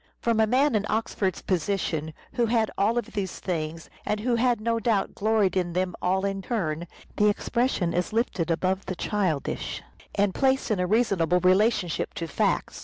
From a man in Oxford's position, who had had all of these things, and who had no doubt gloried in them all in turn, the expression is lifted above the childish and placed in a reasonable relationship to facts.